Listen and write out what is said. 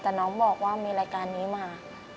แต่น้องบอกว่ามีรายการนี้มา